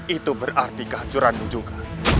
itu berarti kehancuranmu juga